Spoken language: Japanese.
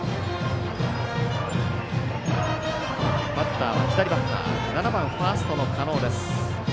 バッターは左バッター７番ファーストの狩野です。